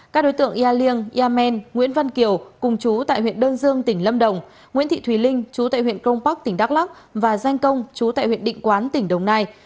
các đối tượng yà liêng yamen nguyễn văn kiều cùng chú tại huyện đơn dương tỉnh lâm đồng nguyễn thị thùy linh chú tại huyện công bắc tỉnh đắk lắc và danh công chú tại huyện định quán tỉnh đồng nai